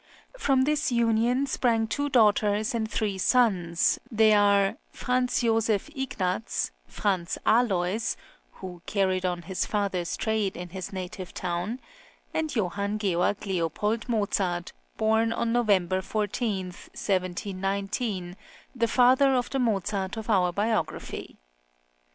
2 From this union sprang two daughters and three sons, viz.: Fr. Joseph Ignaz, Franz Alois (who carried on his father's trade in his native town), and Johann Georg Leopold Mozart, bom on November 14, 1719, the father of the Mozart of our biography.